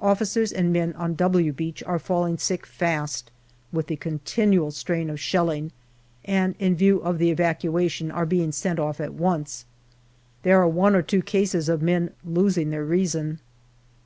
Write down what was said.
Officers and men on " W " Beach are falling sick fast, with the continual strain of shelling, and in view of the evacuation are being sent off at once. There are one or two cases of men losing their reason.